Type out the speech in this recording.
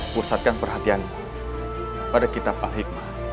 pusatkan perhatianmu pada kitab al hikmah